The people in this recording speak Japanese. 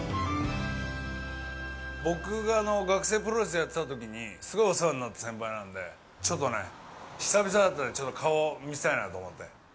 僕が学生プロレスやってたときにすごいお世話になった先輩なんでちょっとね、久々だったので顔を見せたいなと思って。